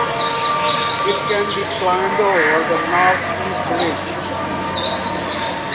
It can be climbed over the northeast ridge.